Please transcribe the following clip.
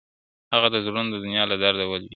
o هغه د زړونو د دنـيـا لــه درده ولـوېږي.